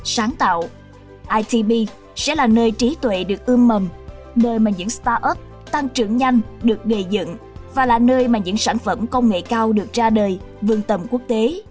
sáng tạo itb sẽ là nơi trí tuệ được ưm mầm nơi mà những start up tăng trưởng nhanh được gây dựng và là nơi mà những sản phẩm công nghệ cao được ra đời vương tầm quốc tế